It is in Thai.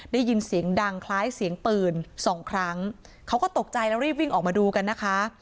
ได้ยินเสียงดังคล้ายเสียงปืนสองครั้งเขาก็ตกใจแล้วรีบวิ่งออกมาดูกันนะคะ